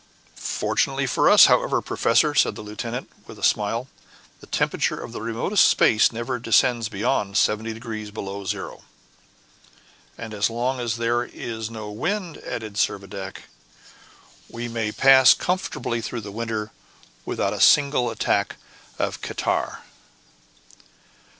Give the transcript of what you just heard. "Fortunately for us, however, professor," said the lieutenant, with a smile, "the temperature of the remotest space never descends beyond 70 degrees below zero." "And as long as there is no wind," added Servadac, "we may pass comfortably through the winter, without a single attack of catarrh."